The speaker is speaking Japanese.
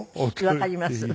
わかります。